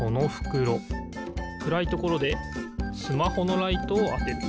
くらいところでスマホのライトをあてる。